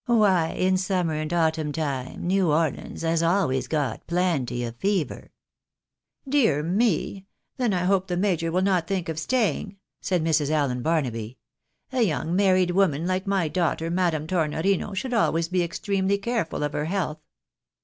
" Why in summer and autumn time, New Orleans has always got plenty of fever." ." Dear me ! Then I hope the major will not tliink of staying," said Mrs. Allen Barnaby. " A young married woman Uke my daughter, Madame Tornorino, should always be extremely careful of her health."